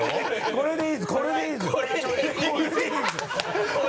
これでいい